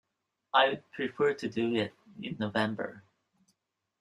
I would prefer to do it in November.